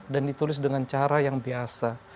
dan ditulis dengan cara yang biasa